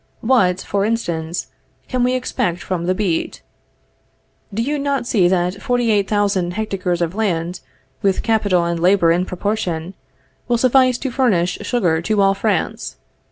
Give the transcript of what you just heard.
What, for instance, can we expect from the beet? Do you not see that 48,000 hectares of land, with capital and labor in proportion, will suffice to furnish sugar to all France?